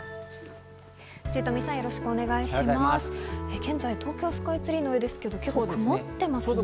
現在、東京スカイツリーの上ですけど曇ってますね。